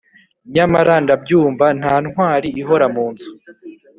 nyamara ndabyumva nta ntwari ihora mu nzu